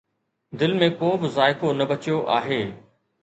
دل ۾ ڪو به ذائقو نه بچيو آهي